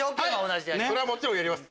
それはもちろんやります。